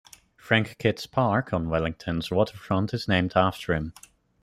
Frank Kitts Park on Wellington's waterfront is named after him.